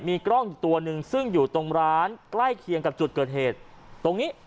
มีกล้องอีกตัวหนึ่งซึ่งอยู่ตรงร้านใกล้เคียงกับจุดเกิดเหตุตรงนี้